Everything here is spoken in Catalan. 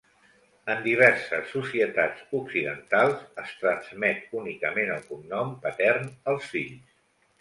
En diverses societats occidentals, es transmet únicament el cognom patern als fills.